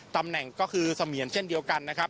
ตำแหน่งก็คือเสมียนเช่นเดียวกันนะครับ